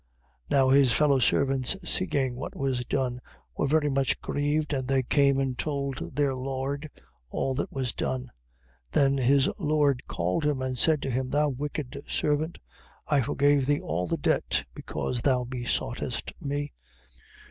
18:31. Now his fellow servants seeing what was done, were very much grieved, and they came, and told their lord all that was done. 18:32. Then his lord called him: and said to him: Thou wicked servant, I forgave thee all the debt, because thou besoughtest me: 18:33.